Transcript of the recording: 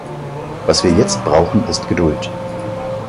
Was wir jetzt brauchen, ist Geduld.